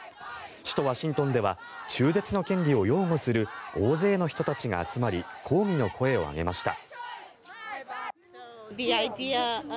首都ワシントンでは中絶の権利を擁護する大勢の人たちが集まり抗議の声を上げました。